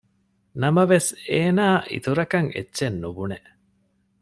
ނަމަވެސް އޭނާ އިތުރަކަށް އެއްޗެއް ނުބުނެ